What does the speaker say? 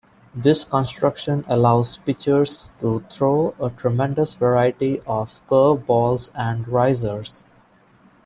This construction allows pitchers to throw a tremendous variety of curveballs and risers.